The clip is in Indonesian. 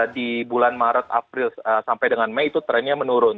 di bulan maret april sampai dengan mei itu trennya menurun